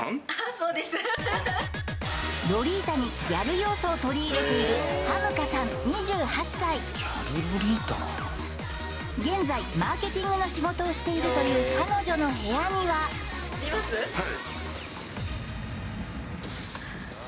ロリータにギャル要素を取り入れている現在マーケティングの仕事をしているというあははははは！